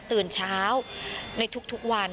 ตื่นเช้าในทุกวัน